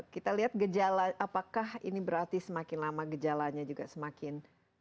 kita lihat gejala apakah ini berarti semakin lama gejalanya juga semakin